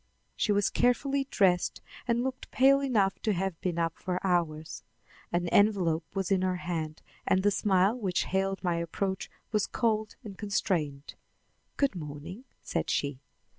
She was carefully dressed and looked pale enough to have been up for hours. An envelope was in her hand, and the smile which hailed my approach was cold and constrained. "Good morning," said she.